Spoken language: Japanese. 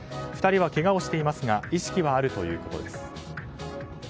２人はけがをしていますが意識はあるということです。